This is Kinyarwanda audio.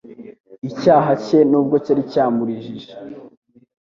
icyaha cye nubwo cyari cyaramurijije,